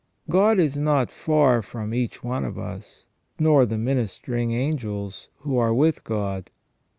God is not far from each one of us, nor the ministering angels, who are with God.